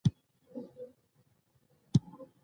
شاه شجاع په ځپلو بریالی شو.